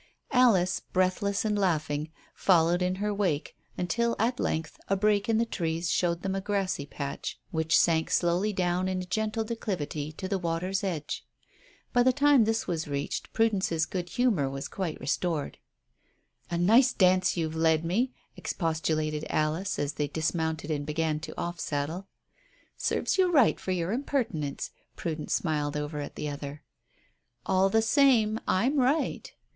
Alice, breathless and laughing, followed in her wake, until at length a break in the trees showed them a grassy patch which sank slowly down in a gentle declivity to the water's edge. By the time this was reached Prudence's good humour was quite restored. "A nice dance you've led me," expostulated Alice, as they dismounted and began to off saddle. "Serves you right for your impertinence," Prudence smiled over at the other. "All the same I'm right."